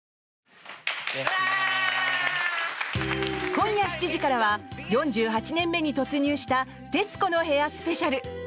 今夜７時からは４８年目に突入した「徹子の部屋」スペシャル！